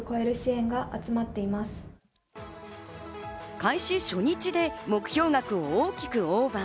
開始初日で目標額を大きくオーバー。